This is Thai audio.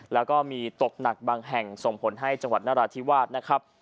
แล้วก็มีตกหนักบางแห่งส่งผลให้จังหวัดนราธิวาสนะครับ